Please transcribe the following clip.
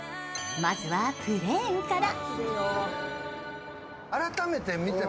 まずはプレーンから。